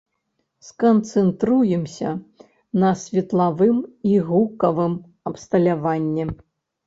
Сканцэнтруемся на светлавым і гукавым абсталяванні.